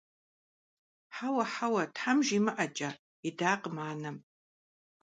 Хьэуэ, хьэуэ, тхьэм жимыӀэкӀэ! – идакъым анэм.